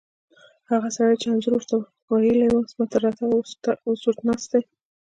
هغه سړی چې انځور ور ته ویلي وو، زما تر راتګه اوسه ناست و.